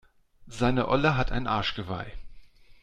Seine Olle hat ein Arschgeweih.